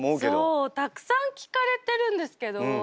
そうたくさん聞かれてるんですけど。